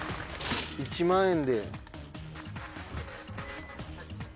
１万円で。